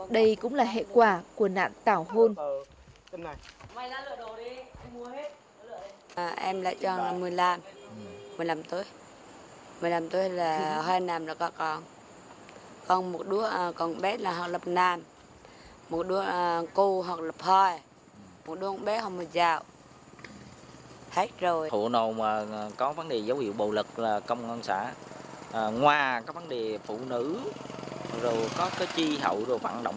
vì cũng là hệ quả của nạn tảo hôn